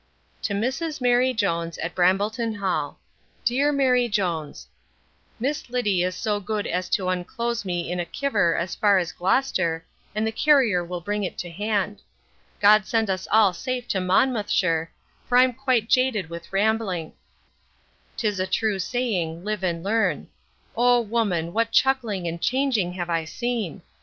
3. To Mrs MARY JONES, at Brambleton hall. DEAR MARY JONES, Miss Liddy is so good as to unclose me in a kiver as fur as Gloster, and the carrier will bring it to hand God send us all safe to Monmouthshire, for I'm quite jaded with rambling 'Tis a true saying, live and learn 0 woman, what chuckling and changing have I seen!